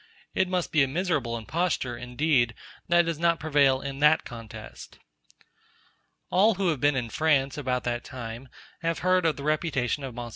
It must be a miserable imposture, indeed, that does not prevail in that contest. All who have been in France about that time have heard of the reputation of Mons.